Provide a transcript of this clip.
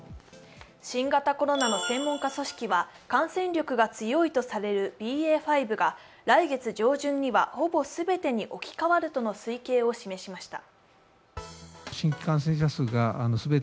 新型コロナの専門家組織は感染力が強いとされるＢＡ．５が来月上旬にはほぼ全てに置き換わるとの推計を発表しました。